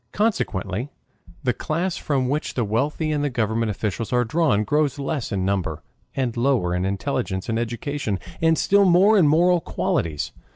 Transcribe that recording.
Consequently the class from which the wealthy and the government officials are drawn grows less in number and lower in intelligence and education, and still more in moral qualities.